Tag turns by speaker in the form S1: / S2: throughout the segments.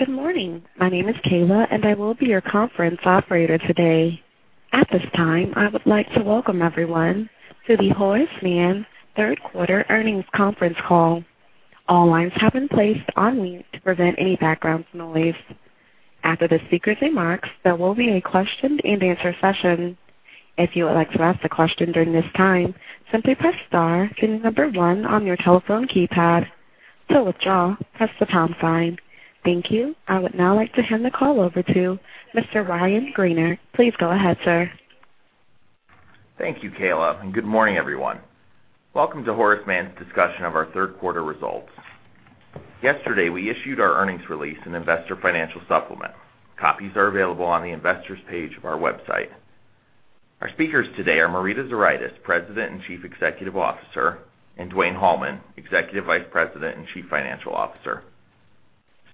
S1: Good morning. My name is Kayla, and I will be your conference operator today. At this time, I would like to welcome everyone to the Horace Mann third quarter earnings conference call. All lines have been placed on mute to prevent any background noise. After the speaker's remarks, there will be a question and answer session. If you would like to ask a question during this time, simply press star, then 1 on your telephone keypad. To withdraw, press the pound sign. Thank you. I would now like to hand the call over to Mr. Ryan Greenier. Please go ahead, sir.
S2: Thank you, Kayla. Good morning, everyone. Welcome to Horace Mann's discussion of our third quarter results. Yesterday, we issued our earnings release and investor financial supplement. Copies are available on the investors page of our website. Our speakers today are Marita Zuraitis, President and Chief Executive Officer, and Dwayne D. Hallman, Executive Vice President and Chief Financial Officer.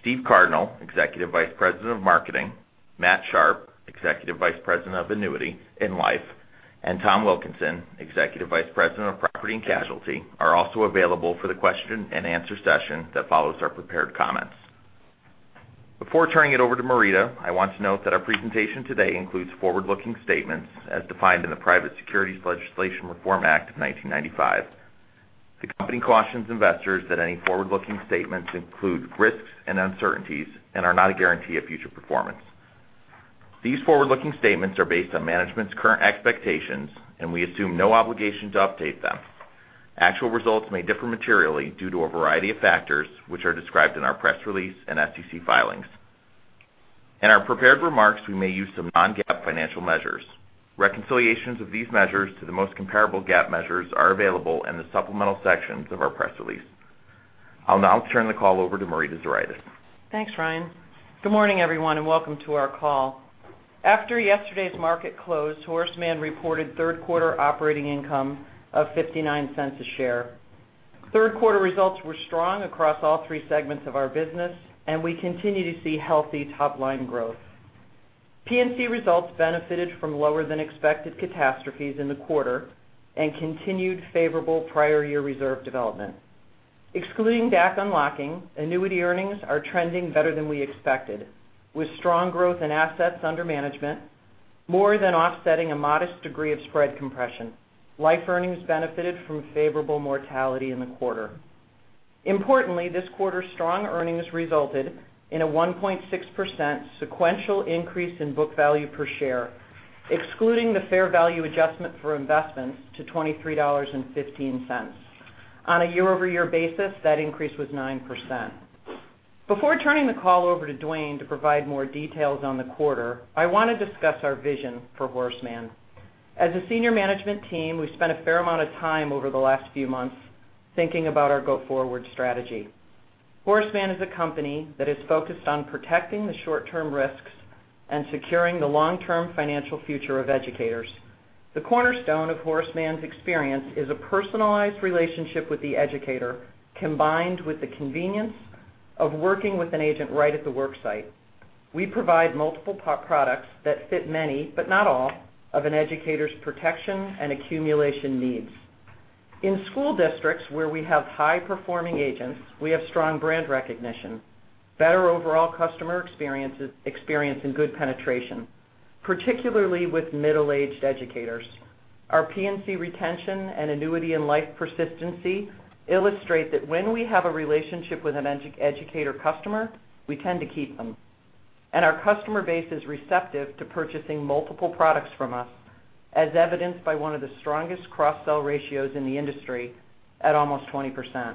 S2: Steve Cardinal, Executive Vice President of Marketing, Matt Sharpe, Executive Vice President of Annuity and Life, and Tom Wilkinson, Executive Vice President of Property and Casualty, are also available for the question and answer session that follows our prepared comments. Before turning it over to Marita, I want to note that our presentation today includes forward-looking statements as defined in the Private Securities Litigation Reform Act of 1995. The company cautions investors that any forward-looking statements include risks and uncertainties and are not a guarantee of future performance. These forward-looking statements are based on management's current expectations. We assume no obligation to update them. Actual results may differ materially due to a variety of factors, which are described in our press release and SEC filings. In our prepared remarks, we may use some non-GAAP financial measures. Reconciliations of these measures to the most comparable GAAP measures are available in the supplemental sections of our press release. I'll now turn the call over to Marita Zuraitis.
S3: Thanks, Ryan. Good morning, everyone. Welcome to our call. After yesterday's market close, Horace Mann reported third-quarter operating income of $0.59 a share. Third-quarter results were strong across all three segments of our business. We continue to see healthy top-line growth. P&C results benefited from lower than expected catastrophes in the quarter and continued favorable prior year reserve development. Excluding DAC unlocking, annuity earnings are trending better than we expected, with strong growth in assets under management more than offsetting a modest degree of spread compression. Life earnings benefited from favorable mortality in the quarter. Importantly, this quarter's strong earnings resulted in a 1.6% sequential increase in book value per share, excluding the fair value adjustment for investments to $23.15. On a year-over-year basis, that increase was 9%. Before turning the call over to Dwayne to provide more details on the quarter, I want to discuss our vision for Horace Mann. As a senior management team, we've spent a fair amount of time over the last few months thinking about our go-forward strategy. Horace Mann is a company that is focused on protecting the short-term risks and securing the long-term financial future of educators. The cornerstone of Horace Mann's experience is a personalized relationship with the educator, combined with the convenience of working with an agent right at the work site. We provide multiple products that fit many, but not all, of an educator's protection and accumulation needs. In school districts where we have high-performing agents, we have strong brand recognition, better overall customer experience, and good penetration, particularly with middle-aged educators. Our P&C retention and annuity and life persistency illustrate that when we have a relationship with an educator customer, we tend to keep them. Our customer base is receptive to purchasing multiple products from us, as evidenced by one of the strongest cross-sell ratios in the industry at almost 20%.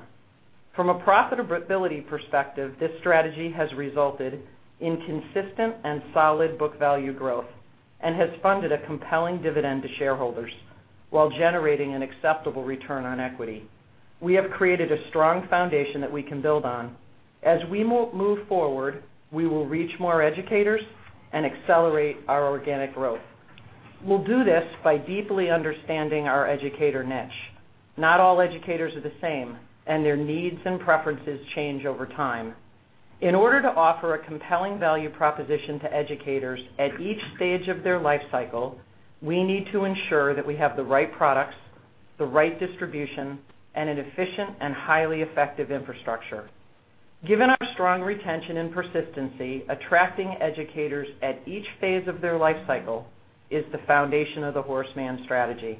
S3: From a profitability perspective, this strategy has resulted in consistent and solid book value growth and has funded a compelling dividend to shareholders while generating an acceptable return on equity. We have created a strong foundation that we can build on. As we move forward, we will reach more educators and accelerate our organic growth. We'll do this by deeply understanding our educator niche. Not all educators are the same, and their needs and preferences change over time. In order to offer a compelling value proposition to educators at each stage of their life cycle, we need to ensure that we have the right products, the right distribution, and an efficient and highly effective infrastructure. Given our strong retention and persistency, attracting educators at each phase of their life cycle is the foundation of the Horace Mann strategy.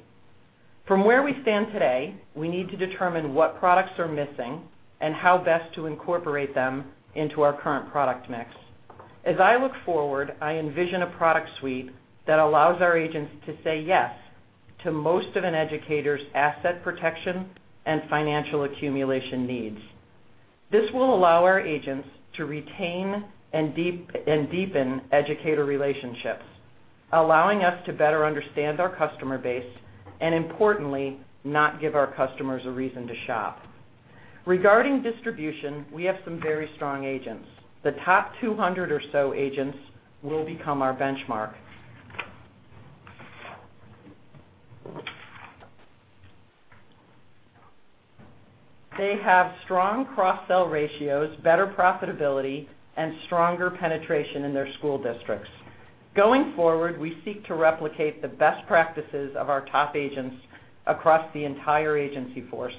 S3: From where we stand today, we need to determine what products are missing and how best to incorporate them into our current product mix. As I look forward, I envision a product suite that allows our agents to say yes to most of an educator's asset protection and financial accumulation needs. This will allow our agents to retain and deepen educator relationships, allowing us to better understand our customer base and, importantly, not give our customers a reason to shop. Regarding distribution, we have some very strong agents. The top 200 or so agents will become our benchmark. They have strong cross-sell ratios, better profitability, and stronger penetration in their school districts. Going forward, we seek to replicate the best practices of our top agents across the entire agency force.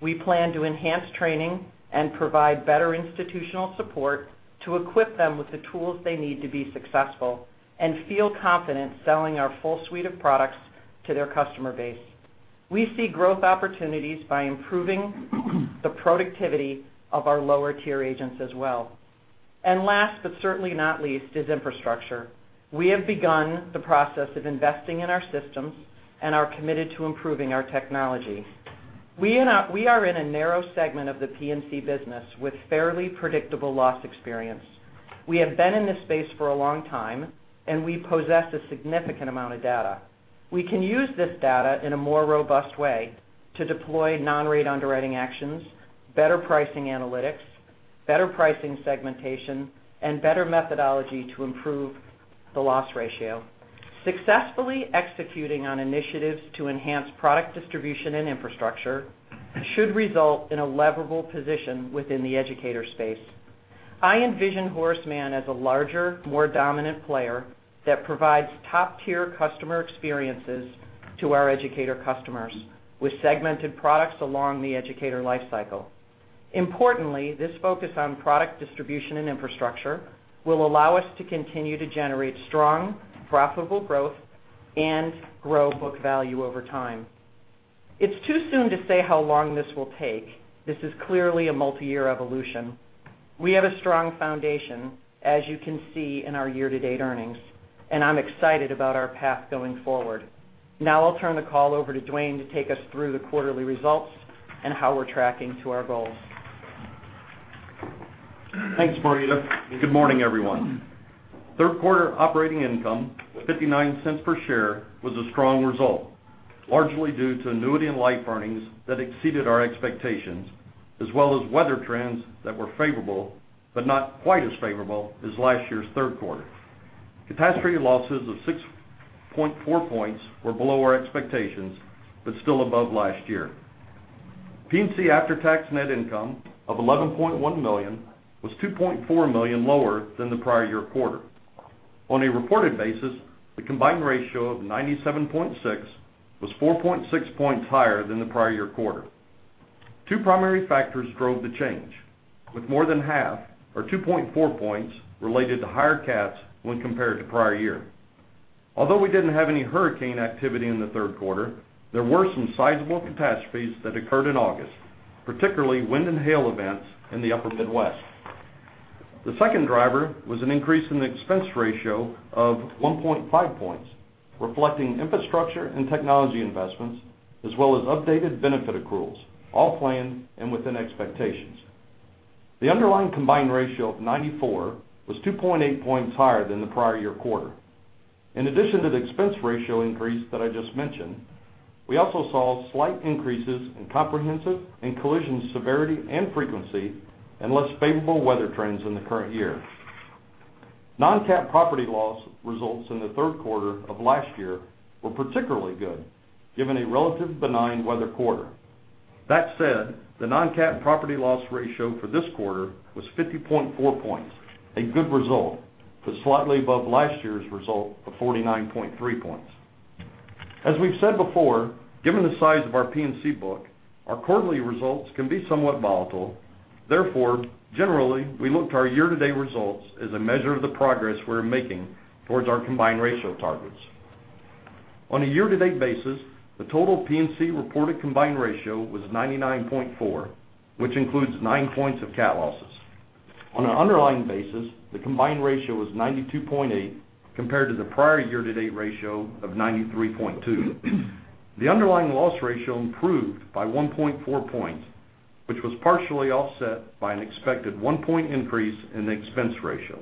S3: We plan to enhance training and provide better institutional support to equip them with the tools they need to be successful and feel confident selling our full suite of products to their customer base. We see growth opportunities by improving the productivity of our lower-tier agents as well. Last, but certainly not least, is infrastructure. We have begun the process of investing in our systems and are committed to improving our technology. We are in a narrow segment of the P&C business with fairly predictable loss experience. We have been in this space for a long time, and we possess a significant amount of data. We can use this data in a more robust way to deploy non-rate underwriting actions, better pricing analytics, better pricing segmentation, and better methodology to improve the loss ratio. Successfully executing on initiatives to enhance product distribution and infrastructure should result in a leverable position within the educator space. I envision Horace Mann as a larger, more dominant player that provides top-tier customer experiences to our educator customers with segmented products along the educator life cycle. Importantly, this focus on product distribution and infrastructure will allow us to continue to generate strong, profitable growth and grow book value over time. It's too soon to say how long this will take. This is clearly a multi-year evolution. We have a strong foundation, as you can see in our year-to-date earnings, and I'm excited about our path going forward. Now, I'll turn the call over to Dwayne to take us through the quarterly results and how we're tracking to our goals.
S4: Thanks, Marita. Good morning, everyone. Third quarter operating income of $0.59 per share was a strong result, largely due to annuity and life earnings that exceeded our expectations, as well as weather trends that were favorable, but not quite as favorable as last year's third quarter. Catastrophe losses of 6.4 points were below our expectations, but still above last year. P&C after-tax net income of $11.1 million was $2.4 million lower than the prior year quarter. On a reported basis, the combined ratio of 97.6 was 4.6 points higher than the prior year quarter. Two primary factors drove the change, with more than half or 2.4 points related to higher cats when compared to prior year. Although we didn't have any hurricane activity in the third quarter, there were some sizable catastrophes that occurred in August, particularly wind and hail events in the upper Midwest. The second driver was an increase in the expense ratio of 1.5 points, reflecting infrastructure and technology investments, as well as updated benefit accruals, all planned and within expectations. The underlying combined ratio of 94 was 2.8 points higher than the prior year quarter. In addition to the expense ratio increase that I just mentioned, we also saw slight increases in comprehensive and collision severity and frequency and less favorable weather trends in the current year. Non cat property loss results in the third quarter of last year were particularly good, given a relatively benign weather quarter. That said, the non cat property loss ratio for this quarter was 50.4 points, a good result, but slightly above last year's result of 49.3 points. As we've said before, given the size of our P&C book, our quarterly results can be somewhat volatile. Generally, we look to our year-to-date results as a measure of the progress we're making towards our combined ratio targets. On a year-to-date basis, the total P&C reported combined ratio was 99.4, which includes nine points of cat losses. On an underlying basis, the combined ratio was 92.8, compared to the prior year-to-date ratio of 93.2. The underlying loss ratio improved by 1.4 points, which was partially offset by an expected one point increase in the expense ratio.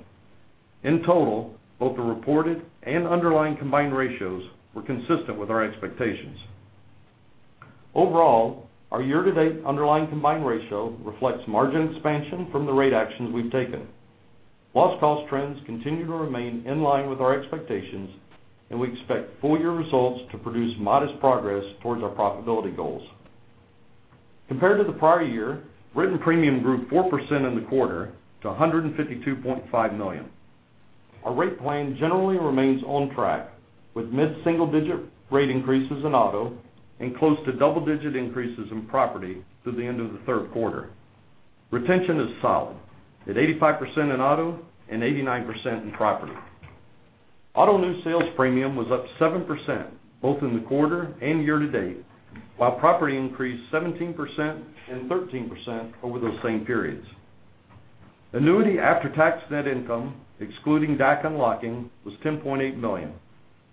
S4: In total, both the reported and underlying combined ratios were consistent with our expectations. Overall, our year-to-date underlying combined ratio reflects margin expansion from the rate actions we've taken. Loss cost trends continue to remain in line with our expectations, and we expect full-year results to produce modest progress towards our profitability goals. Compared to the prior year, written premium grew 4% in the quarter to $152.5 million. Our rate plan generally remains on track, with mid-single-digit rate increases in auto and close to double-digit increases in property through the end of the third quarter. Retention is solid at 85% in auto and 89% in property. Auto new sales premium was up 7%, both in the quarter and year to date, while property increased 17% and 13% over those same periods. Annuity after-tax net income, excluding DAC unlocking, was $10.8 million,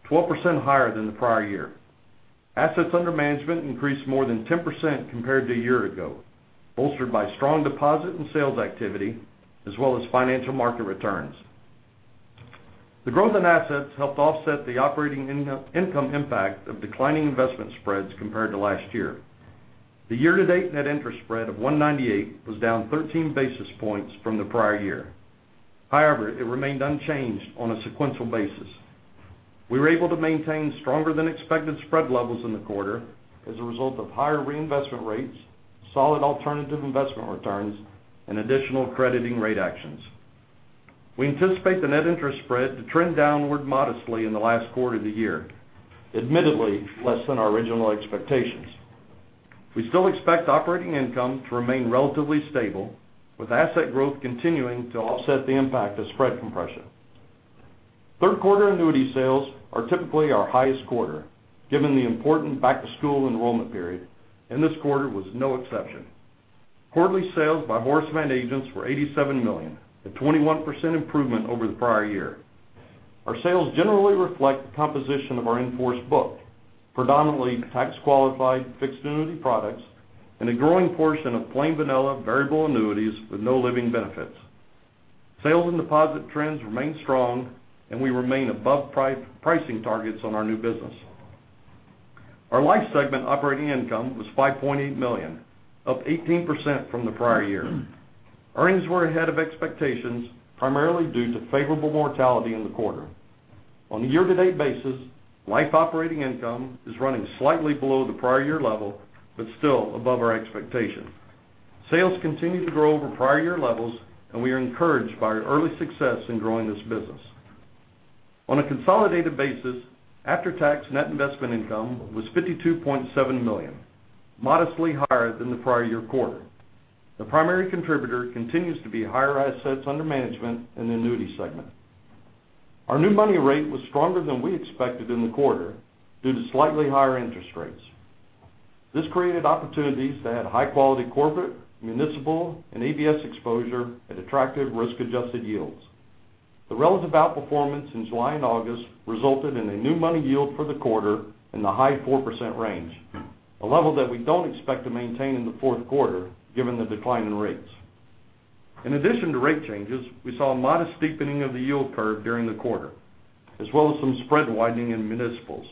S4: 12% higher than the prior year. Assets under management increased more than 10% compared to a year ago, bolstered by strong deposit and sales activity, as well as financial market returns. The growth in assets helped offset the operating income impact of declining investment spreads compared to last year. The year-to-date net interest spread of 198 was down 13 basis points from the prior year. It remained unchanged on a sequential basis. We were able to maintain stronger than expected spread levels in the quarter as a result of higher reinvestment rates, solid alternative investment returns, and additional crediting rate actions. We anticipate the net interest spread to trend downward modestly in the last quarter of the year, admittedly less than our original expectations. We still expect operating income to remain relatively stable, with asset growth continuing to offset the impact of spread compression. Third quarter annuity sales are typically our highest quarter, given the important back-to-school enrollment period, and this quarter was no exception. Quarterly sales by Horace Mann agents were $87 million, a 21% improvement over the prior year. Our sales generally reflect the composition of our in-force book, predominantly tax-qualified, fixed annuity products, and a growing portion of plain vanilla variable annuities with no living benefits. Sales and deposit trends remain strong, and we remain above pricing targets on our new business. Our life segment operating income was $5.8 million, up 18% from the prior year. Earnings were ahead of expectations, primarily due to favorable mortality in the quarter. On a year-to-date basis, life operating income is running slightly below the prior year level but still above our expectation. Sales continue to grow over prior year levels, and we are encouraged by our early success in growing this business. On a consolidated basis, after-tax net investment income was $52.7 million, modestly higher than the prior year quarter. The primary contributor continues to be higher assets under management in the annuity segment. Our new money rate was stronger than we expected in the quarter due to slightly higher interest rates. This created opportunities to add high-quality corporate, municipal, and ABS exposure at attractive risk-adjusted yields. The relative outperformance in July and August resulted in a new money yield for the quarter in the high 4% range, a level that we don't expect to maintain in the fourth quarter, given the decline in rates. In addition to rate changes, we saw a modest steepening of the yield curve during the quarter, as well as some spread widening in municipals.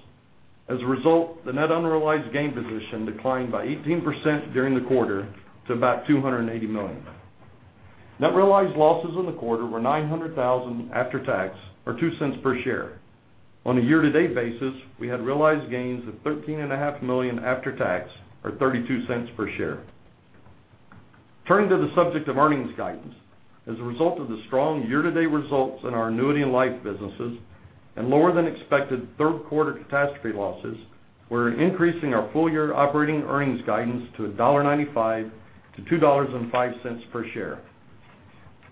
S4: As a result, the net unrealized gain position declined by 18% during the quarter to about $280 million. Net realized losses in the quarter were $900,000 after tax, or $0.02 per share. On a year-to-date basis, we had realized gains of $13.5 million after tax, or $0.32 per share. Turning to the subject of earnings guidance, as a result of the strong year-to-date results in our annuity and life businesses and lower than expected third quarter catastrophe losses, we're increasing our full year operating earnings guidance to $1.95 to $2.05 per share.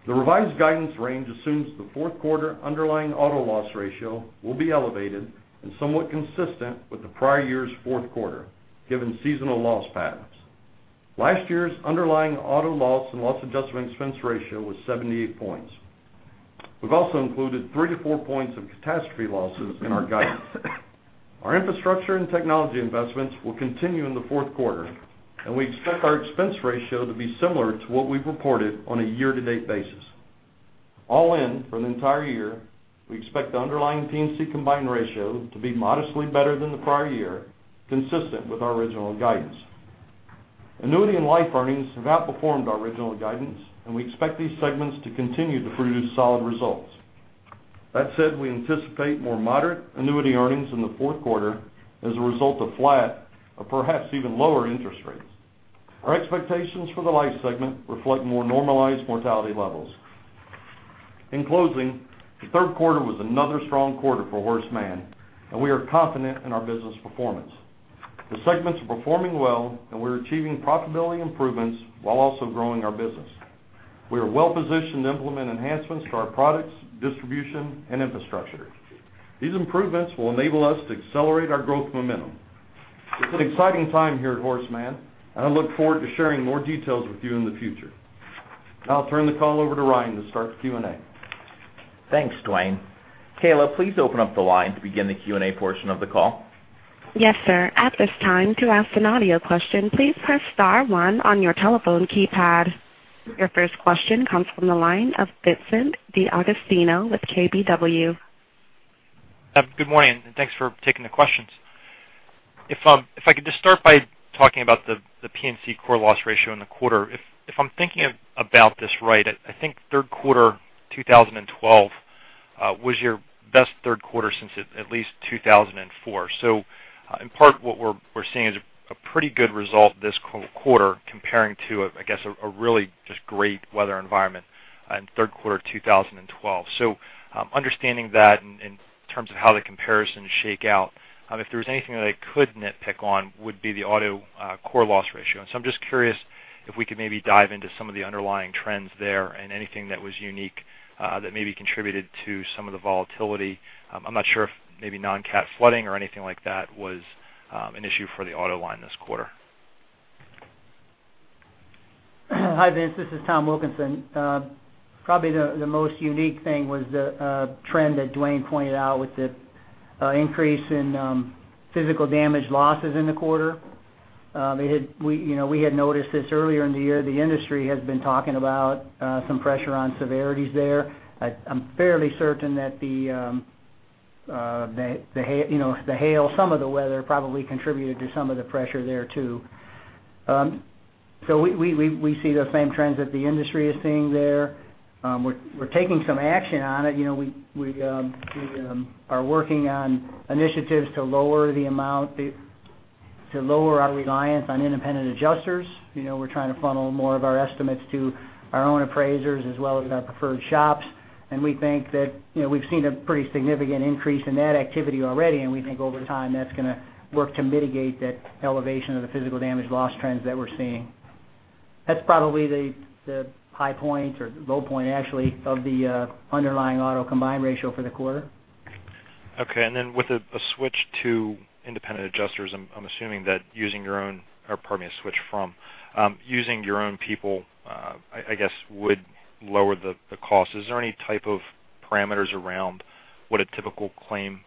S4: The revised guidance range assumes the fourth quarter underlying auto loss ratio will be elevated and somewhat consistent with the prior year's fourth quarter, given seasonal loss patterns. Last year's underlying auto loss and loss adjustment expense ratio was 78 points. We've also included three to four points of catastrophe losses in our guidance. Our infrastructure and technology investments will continue in the fourth quarter, and we expect our expense ratio to be similar to what we've reported on a year-to-date basis. All in, for the entire year, we expect the underlying P&C combined ratio to be modestly better than the prior year, consistent with our original guidance. Annuity and life earnings have outperformed our original guidance, and we expect these segments to continue to produce solid results. That said, we anticipate more moderate annuity earnings in the fourth quarter as a result of flat or perhaps even lower interest rates. Our expectations for the life segment reflect more normalized mortality levels. In closing, the third quarter was another strong quarter for Horace Mann, and we are confident in our business performance. The segments are performing well, and we're achieving profitability improvements while also growing our business. We are well positioned to implement enhancements to our products, distribution, and infrastructure. These improvements will enable us to accelerate our growth momentum. It's an exciting time here at Horace Mann, and I look forward to sharing more details with you in the future. Now I'll turn the call over to Ryan to start the Q&A.
S2: Thanks, Dwayne. Kayla, please open up the line to begin the Q&A portion of the call.
S1: Yes, sir. At this time, to ask an audio question, please press star 1 on your telephone keypad. Your first question comes from the line of Vincent DeAugustino with KBW.
S5: Good morning, and thanks for taking the questions. If I could just start by talking about the P&C core loss ratio in the quarter. If I'm thinking about this right, I think third quarter 2012 was your best third quarter since at least 2004. In part, what we're seeing is a pretty good result this quarter comparing to, I guess, a really just great weather environment in third quarter 2012. Understanding that in terms of how the comparisons shake out, if there was anything that I could nitpick on would be the auto core loss ratio. I'm just curious if we could maybe dive into some of the underlying trends there and anything that was unique that maybe contributed to some of the volatility. I'm not sure if maybe non-cat flooding or anything like that was an issue for the auto line this quarter.
S6: Hi, Vince. This is Tom Wilkinson. Probably the most unique thing was the trend that Dwayne pointed out with the increase in physical damage losses in the quarter. We had noticed this earlier in the year. The industry has been talking about some pressure on severities there. I'm fairly certain that the hail, some of the weather probably contributed to some of the pressure there too. We see the same trends that the industry is seeing there. We're taking some action on it. We are working on initiatives to lower our reliance on independent adjusters. We're trying to funnel more of our estimates to our own appraisers as well as our preferred shops. We think that we've seen a pretty significant increase in that activity already, and we think over time, that's going to work to mitigate that elevation of the physical damage loss trends that we're seeing. That's probably the high point, or low point actually, of the underlying auto combined ratio for the quarter.
S5: With a switch to independent adjusters, I'm assuming that a switch from using your own people, I guess, would lower the cost. Is there any type of parameters around what a typical claim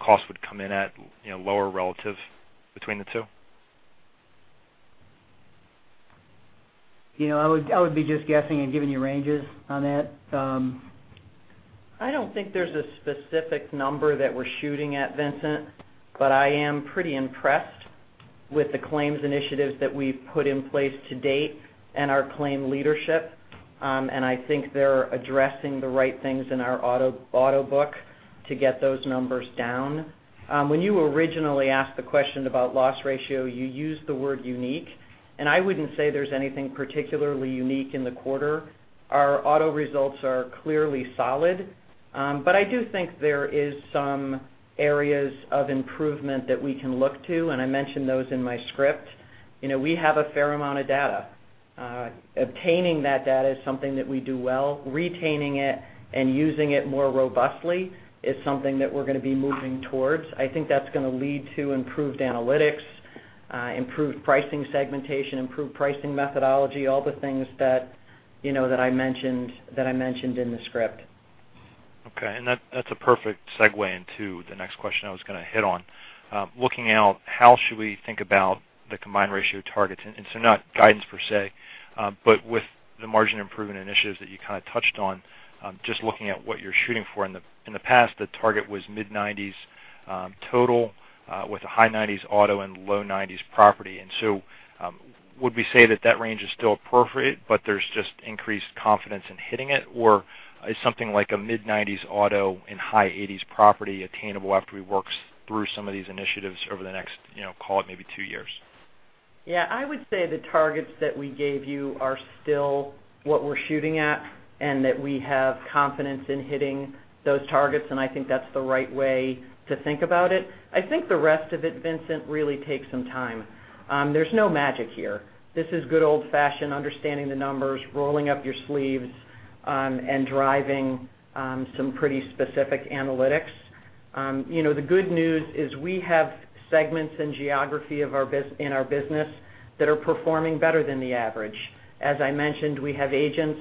S5: cost would come in at, lower relative between the two?
S6: I would be just guessing and giving you ranges on that.
S3: I don't think there's a specific number that we're shooting at, Vincent, but I am pretty impressed with the claims initiatives that we've put in place to date and our claim leadership. I think they're addressing the right things in our auto book to get those numbers down. When you originally asked the question about loss ratio, you used the word unique, and I wouldn't say there's anything particularly unique in the quarter. Our auto results are clearly solid. I do think there is some areas of improvement that we can look to, and I mentioned those in my script. We have a fair amount of data. Obtaining that data is something that we do well. Retaining it and using it more robustly is something that we're going to be moving towards. I think that's going to lead to improved analytics, improved pricing segmentation, improved pricing methodology, all the things that I mentioned in the script.
S5: Okay, that's a perfect segue into the next question I was going to hit on. Looking out, how should we think about the combined ratio targets? Not guidance per se, but with the margin improvement initiatives that you kind of touched on, just looking at what you're shooting for. In the past, the target was mid-90s total with a high 90s auto and low 90s property. Would we say that that range is still appropriate, but there's just increased confidence in hitting it? Or is something like a mid-90s auto and high 80s property attainable after we work through some of these initiatives over the next call it maybe two years?
S3: Yeah, I would say the targets that we gave you are still what we're shooting at. That we have confidence in hitting those targets, I think that's the right way to think about it. I think the rest of it, Vincent, really takes some time. There's no magic here. This is good old fashioned understanding the numbers, rolling up your sleeves, and driving some pretty specific analytics. The good news is we have segments and geography in our business that are performing better than the average. As I mentioned, we have agents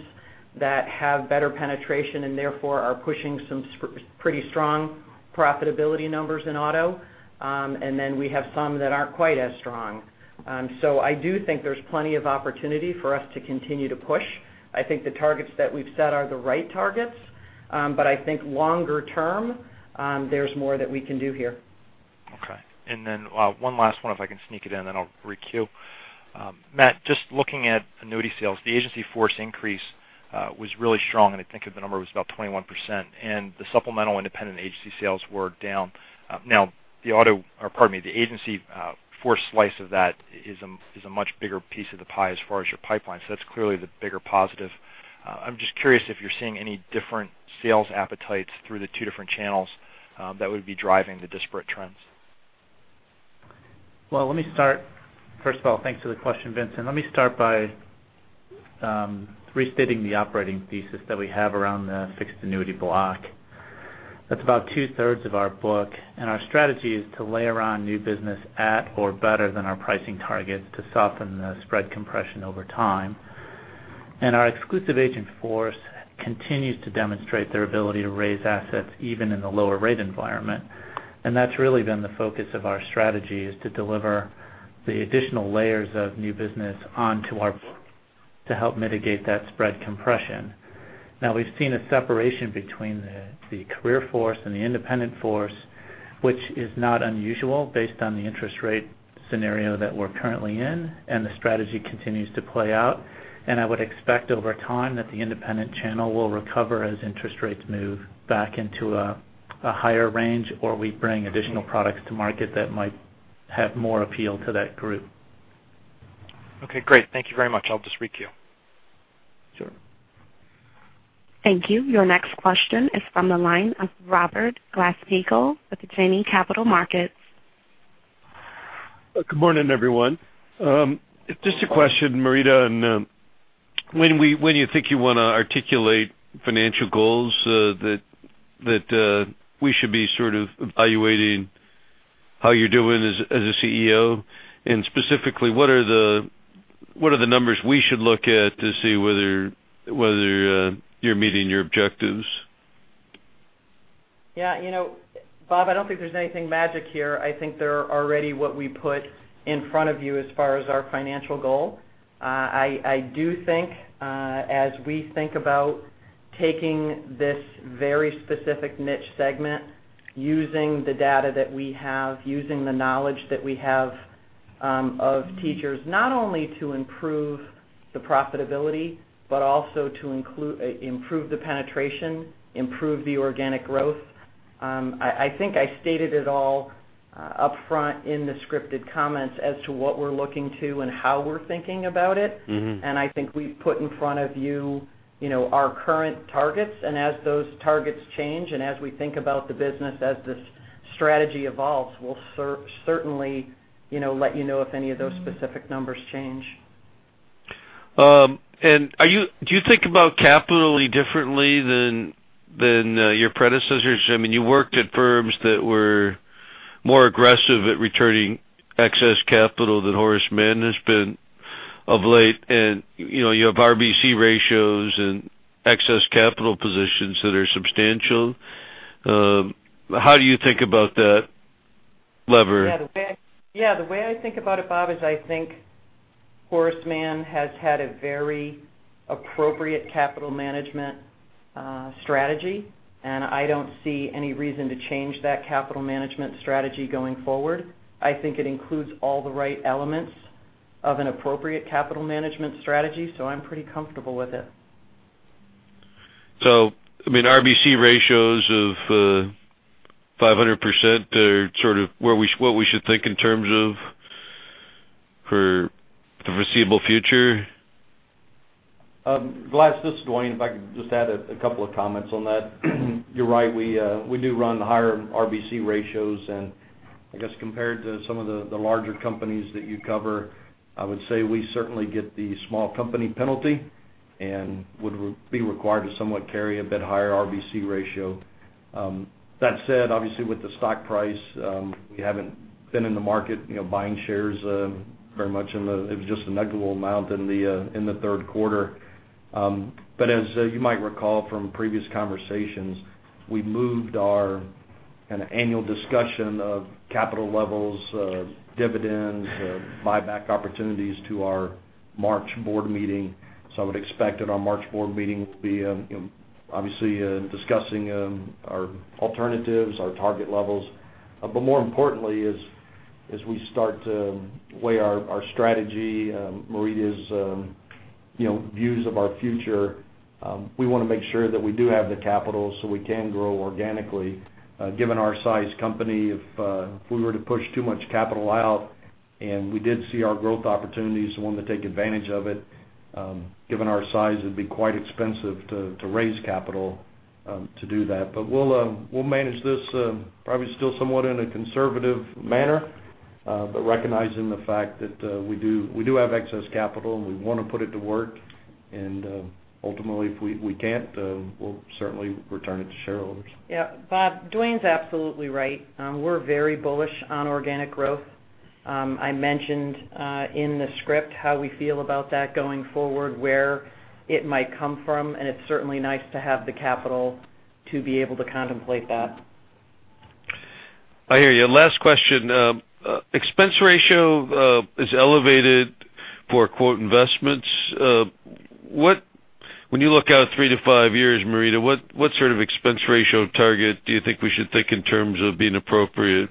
S3: that have better penetration and therefore are pushing some pretty strong profitability numbers in auto. Then we have some that aren't quite as strong. I do think there's plenty of opportunity for us to continue to push. I think the targets that we've set are the right targets. I think longer term, there's more that we can do here.
S5: Okay. One last one if I can sneak it in, then I'll re-queue. Matt, just looking at annuity sales, the agency force increase was really strong, I think the number was about 21%, and the supplemental independent agency sales were down. The agency force slice of that is a much bigger piece of the pie as far as your pipeline. That's clearly the bigger positive. I'm just curious if you're seeing any different sales appetites through the two different channels that would be driving the disparate trends.
S7: Let me start. First of all, thanks for the question, Vincent. Let me start by restating the operating thesis that we have around the fixed annuity block. That's about two-thirds of our book, and our strategy is to layer on new business at or better than our pricing targets to soften the spread compression over time. Our exclusive agent force continues to demonstrate their ability to raise assets even in the lower rate environment. That's really been the focus of our strategy is to deliver the additional layers of new business onto our book to help mitigate that spread compression. We've seen a separation between the career force and the independent force, which is not unusual based on the interest rate scenario that we're currently in, and the strategy continues to play out. I would expect over time that the independent channel will recover as interest rates move back into a higher range, or we bring additional products to market that might have more appeal to that group.
S5: Okay, great. Thank you very much. I'll just re-queue.
S7: Sure.
S1: Thank you. Your next question is from the line of Robert Glasspiegel with Janney Montgomery Scott.
S8: Good morning, everyone. Just a question, Marita, when you think you want to articulate financial goals that we should be sort of evaluating how you're doing as a CEO, specifically, what are the numbers we should look at to see whether you're meeting your objectives?
S3: Yeah. Bob, I don't think there's anything magic here. I think they're already what we put in front of you as far as our financial goal. I do think as we think about taking this very specific niche segment, using the data that we have, using the knowledge that we have of teachers, not only to improve the profitability, but also to improve the penetration, improve the organic growth. I think I stated it all upfront in the scripted comments as to what we're looking to and how we're thinking about it. I think we've put in front of you our current targets, and as those targets change and as we think about the business, as this strategy evolves, we'll certainly let you know if any of those specific numbers change.
S8: Do you think about capital any differently than your predecessors? You worked at firms that were more aggressive at returning excess capital than Horace Mann has been of late, and you have RBC ratios and excess capital positions that are substantial. How do you think about that lever?
S3: Yeah. The way I think about it, Bob, is I think Horace Mann has had a very appropriate capital management strategy, and I don't see any reason to change that capital management strategy going forward. I think it includes all the right elements of an appropriate capital management strategy, so I'm pretty comfortable with it.
S8: RBC ratios of 500% are sort of what we should think in terms of for the foreseeable future?
S4: Glass, this is Dwayne. If I could just add a couple of comments on that. You're right. We do run higher RBC ratios, and I guess, compared to some of the larger companies that you cover, I would say we certainly get the small company penalty and would be required to somewhat carry a bit higher RBC ratio. That said, obviously, with the stock price, we haven't been in the market buying shares very much, and it was just a negligible amount in the third quarter. As you might recall from previous conversations, we moved our annual discussion of capital levels, dividends, buyback opportunities to our March board meeting. I would expect at our March board meeting, we'll be obviously discussing our alternatives, our target levels. More importantly, as we start to weigh our strategy, Marita's views of our future, we want to make sure that we do have the capital so we can grow organically. Given our size company, if we were to push too much capital out and we did see our growth opportunities and wanted to take advantage of it, given our size, it'd be quite expensive to raise capital to do that. We'll manage this probably still somewhat in a conservative manner, but recognizing the fact that we do have excess capital, and we want to put it to work. Ultimately, if we can't, we'll certainly return it to shareholders.
S3: Yeah. Bob, Dwayne's absolutely right. We're very bullish on organic growth. I mentioned in the script how we feel about that going forward, where it might come from, it's certainly nice to have the capital to be able to contemplate that.
S8: I hear you. Last question. Expense ratio is elevated for, quote, "investments." When you look out three to five years, Marita, what sort of expense ratio target do you think we should think in terms of being appropriate?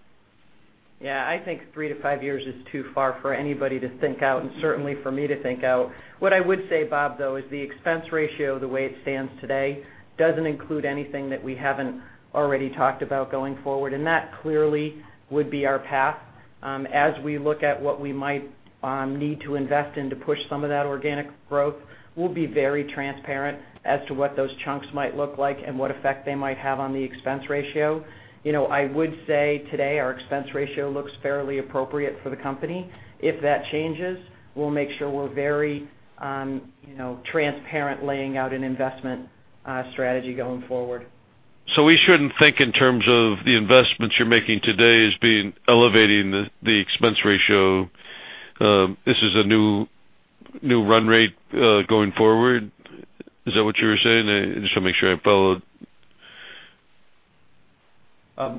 S3: Yeah, I think three to five years is too far for anybody to think out, certainly for me to think out. What I would say, Bob, though, is the expense ratio, the way it stands today, doesn't include anything that we haven't already talked about going forward, that clearly would be our path. As we look at what we might need to invest in to push some of that organic growth, we'll be very transparent as to what those chunks might look like and what effect they might have on the expense ratio. I would say today our expense ratio looks fairly appropriate for the company. If that changes, we'll make sure we're very transparent laying out an investment strategy going forward.
S8: We shouldn't think in terms of the investments you're making today as elevating the expense ratio. This is a new run rate going forward. Is that what you were saying? I just want to make sure I followed.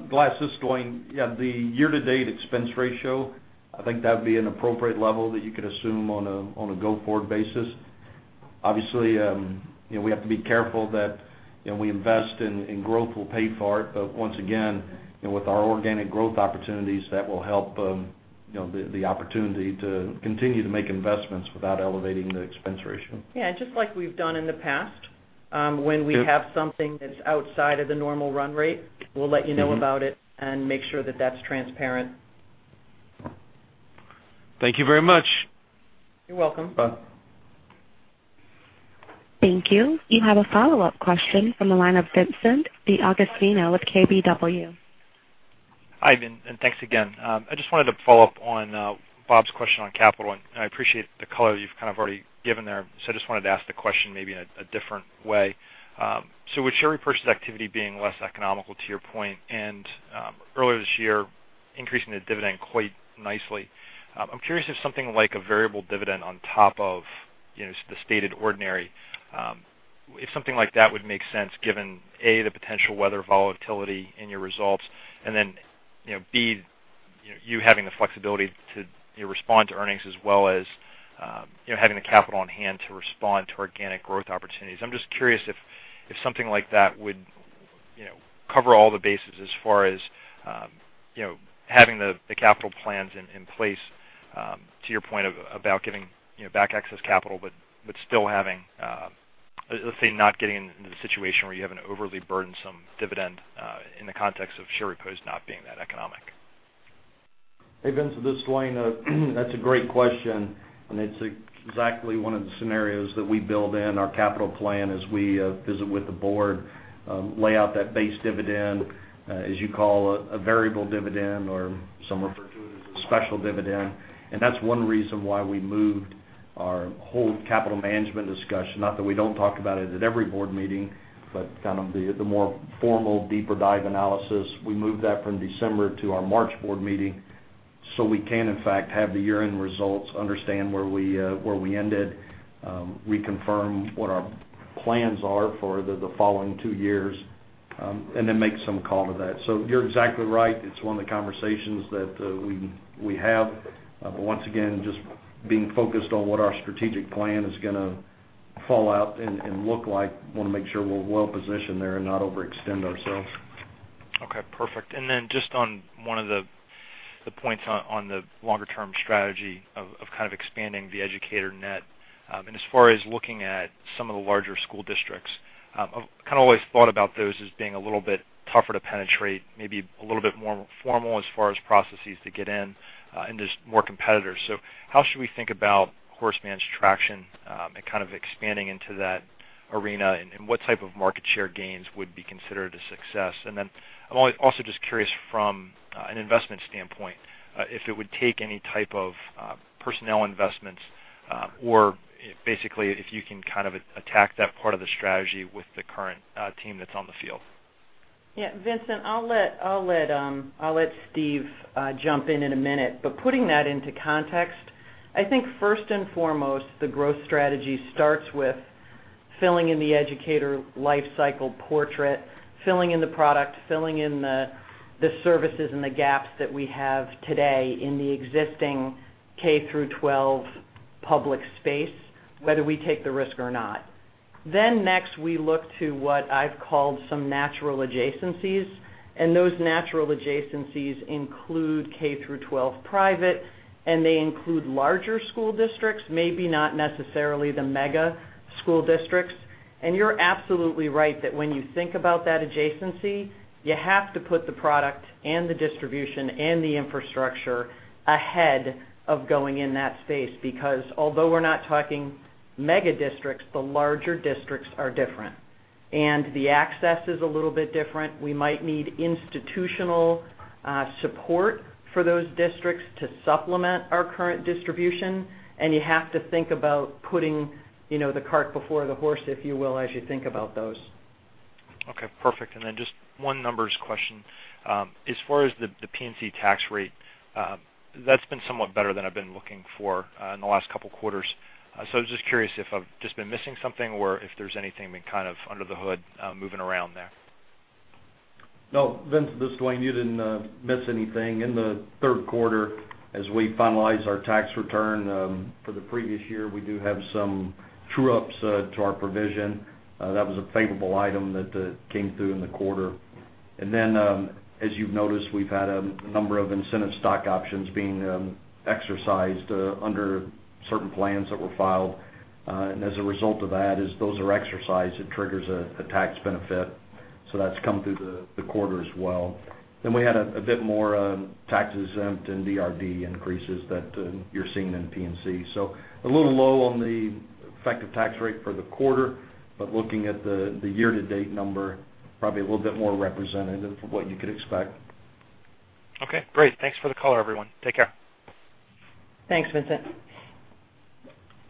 S4: Glass, this is Dwayne. Yeah. The year-to-date expense ratio, I think that would be an appropriate level that you could assume on a go-forward basis. Obviously, we have to be careful that we invest in growth we'll pay for. Once again, with our organic growth opportunities, that will help the opportunity to continue to make investments without elevating the expense ratio.
S3: Yeah, just like we've done in the past. When we have something that's outside of the normal run rate, we'll let you know about it and make sure that that's transparent.
S8: Thank you very much.
S3: You're welcome.
S4: Bye.
S1: Thank you. You have a follow-up question from the line of Vincent DeAugustino with KBW.
S5: Hi, thanks again. I just wanted to follow up on Bob's question on capital. I appreciate the color you've kind of already given there. I just wanted to ask the question maybe in a different way. With share repurchase activity being less economical to your point, earlier this year increasing the dividend quite nicely. I'm curious if something like a variable dividend on top of the stated ordinary, if something like that would make sense given, A, the potential weather volatility in your results and then, B, you having the flexibility to respond to earnings as well as having the capital on hand to respond to organic growth opportunities. I'm just curious if something like that would cover all the bases as far as having the capital plans in place, to your point about giving back excess capital. Let's say not getting into the situation where you have an overly burdensome dividend in the context of share repos not being that economic.
S4: Hey, Vincent, this is Dwayne. That's a great question. It's exactly one of the scenarios that we build in our capital plan as we visit with the board, lay out that base dividend, as you call it, a variable dividend or some refer to it as a special dividend. That's one reason why we moved our whole capital management discussion, not that we don't talk about it at every board meeting, but the more formal, deeper dive analysis, we moved that from December to our March board meeting so we can in fact have the year-end results, understand where we ended. We confirm what our plans are for the following two years, then make some call to that. You're exactly right. It's one of the conversations that we have. Once again, just being focused on what our strategic plan is going to fall out and look like. We want to make sure we're well-positioned there and not overextend ourselves.
S5: Okay, perfect. Then just on one of the points on the longer-term strategy of expanding the educator net, as far as looking at some of the larger school districts. I've always thought about those as being a little bit tougher to penetrate, maybe a little bit more formal as far as processes to get in, there's more competitors. How should we think about Horace Mann's traction, expanding into that arena, and what type of market share gains would be considered a success? Then I'm also just curious from an investment standpoint, if it would take any type of personnel investments or basically if you can attack that part of the strategy with the current team that's on the field.
S3: Yeah, Vincent, I'll let Steve jump in in a minute. Putting that into context, I think first and foremost, the growth strategy starts with filling in the educator life cycle portrait, filling in the product, filling in the services and the gaps that we have today in the existing K through 12 public space, whether we take the risk or not. Next, we look to what I've called some natural adjacencies. Those natural adjacencies include K through 12 private, and they include larger school districts, maybe not necessarily the mega school districts. You're absolutely right that when you think about that adjacency, you have to put the product and the distribution and the infrastructure ahead of going in that space. Because although we're not talking mega districts, the larger districts are different. The access is a little bit different. We might need institutional support for those districts to supplement our current distribution, you have to think about putting the cart before the horse, if you will, as you think about those.
S5: Okay, perfect. Just one numbers question. As far as the P&C tax rate, that's been somewhat better than I've been looking for in the last couple of quarters. I was just curious if I've just been missing something or if there's anything been under the hood moving around there.
S4: No, Vincent, this is Dwayne. You didn't miss anything. In the third quarter, as we finalized our tax return for the previous year, we do have some true-ups to our provision. That was a favorable item that came through in the quarter. Then, as you've noticed, we've had a number of incentive stock options being exercised under certain plans that were filed. As a result of that, as those are exercised, it triggers a tax benefit. That's come through the quarter as well. We had a bit more tax exempt and DRD increases that you're seeing in P&C. A little low on the effective tax rate for the quarter, but looking at the year-to-date number, probably a little bit more representative of what you could expect.
S5: Okay, great. Thanks for the call, everyone. Take care.
S3: Thanks, Vincent.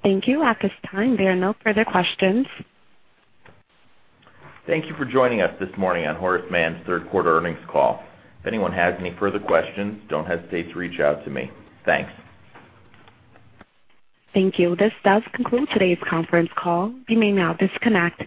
S1: Thank you. At this time, there are no further questions.
S2: Thank you for joining us this morning on Horace Mann's third quarter earnings call. If anyone has any further questions, don't hesitate to reach out to me. Thanks.
S1: Thank you. This does conclude today's conference call. You may now disconnect.